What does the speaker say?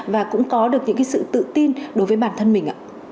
và cũng có được những sự tự tin đối với bản thân mình ạ